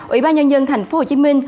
ủy ban nhân dân thành phố hồ chí minh